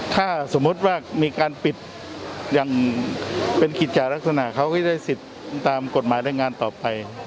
ถ้าสมมุติว่ามีการปิดอย่างเป็นกิจจารักษณะเขาก็ได้สิทธิ์ตามกฎหมายรายงานต่อไป